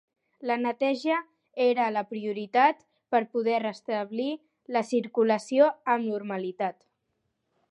La neteja era la prioritat per poder restablir la circulació amb normalitat.